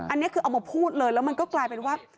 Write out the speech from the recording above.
อันนี้คือเอามาพูดเลยแล้วมันก็กลายเป็นว่า